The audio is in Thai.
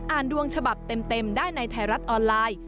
ดวงฉบับเต็มได้ในไทยรัฐออนไลน์